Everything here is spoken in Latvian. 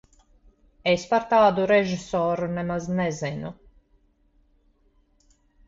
Es par tādu režisoru nemaz nezinu.